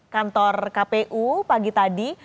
kantor kpu pagi tadi